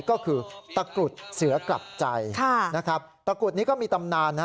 ก็คือตะกรุดเสือกลับใจนะครับตะกรุดนี้ก็มีตำนาน